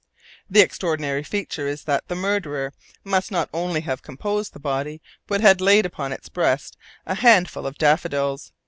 "The extraordinary feature is that the murderer must not only have composed the body, but had laid upon its breast a handful of daffodils.